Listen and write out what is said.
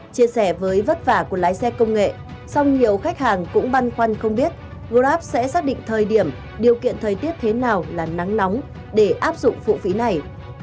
chia sẻ với vất vả của lái xe công nghệ song nhiều khách hàng cũng băn khoăn không biết grab sẽ xác định thời điểm điều kiện thời tiết thế nào là nắng nóng để áp dụng phụ phí này